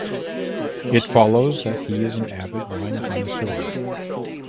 It follows that he is an avid wine connoisseur.